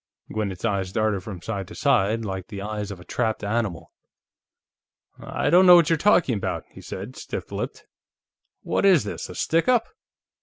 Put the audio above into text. Gwinnett's eyes darted from side to side, like the eyes of a trapped animal. "I don't know what you're talking about," he said, stiff lipped. "What is this, a stick up?"